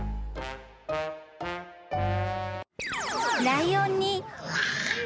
［ライオンに］